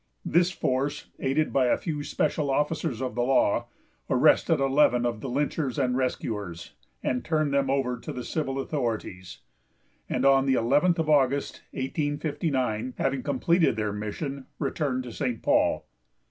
This force, aided by a few special officers of the law, arrested eleven of the lynchers and rescuers, and turned them over to the civil authorities, and on the 11th of August, 1859, having completed their mission, returned to St. Paul.